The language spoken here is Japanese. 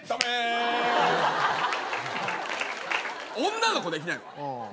女の子できないわ。